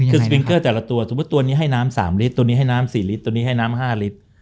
คือสปิงเกอร์แต่ละตัวสมมุติตัวนี้ให้น้ำ๓ลิตรตัวนี้ให้น้ำ๔ลิตรตัวนี้ให้น้ำ๕ลิตร